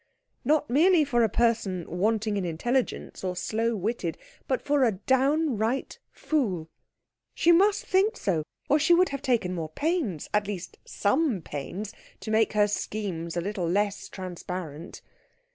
Not merely for a person wanting in intelligence, or slow witted, but for a downright fool. She must think so, or she would have taken more pains, at least some pains, to make her schemes a little less transparent.